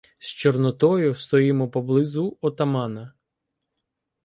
З Чорнотою стоїмо поблизу отамана.